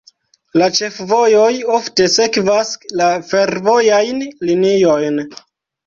La ĉefvojoj ofte sekvas la fervojajn liniojn.